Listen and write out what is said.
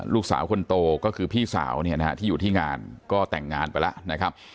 ลูกสาวคนโตก็คือพี่สาวที่อยู่ที่งานก็แต่งงานไปแล้ว